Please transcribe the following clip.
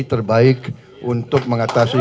terbaik untuk mengatasi